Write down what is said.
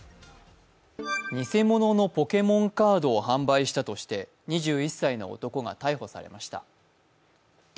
偽物のポケモンカードを販売したとして２１歳の男が逮捕されました。